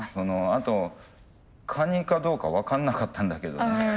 あとカニかどうか分かんなかったんだけどね。